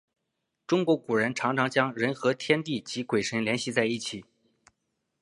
中国古人常常将人和天地及鬼神联系在一起。